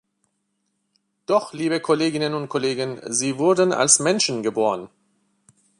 Doch, liebe Kolleginnen und Kollegen, sie wurden als Menschen geboren.